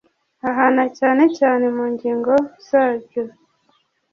ahana cyane cyane mu ngingo zaryo